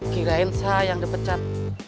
kirain saya yang dipecat